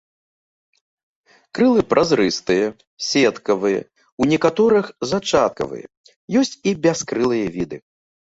Крылы празрыстыя, сеткаватыя, у некаторых зачаткавыя, ёсць і бяскрылыя віды.